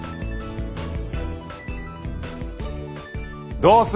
どうする？